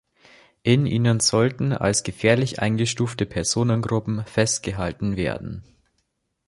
In ihnen sollten als gefährlich eingestufte Personengruppen festgehalten werden.